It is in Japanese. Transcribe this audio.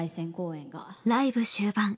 ライブ終盤